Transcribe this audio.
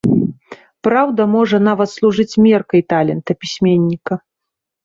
Праўда можа нават служыць меркай талента пісьменніка.